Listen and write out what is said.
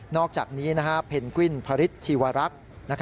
นอกจากนี้นะครับเพ็นกวิ่นพริษชีวรักษ์